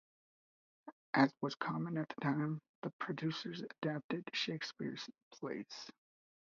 As was common at the time, the producers adapted Shakespeare's plays.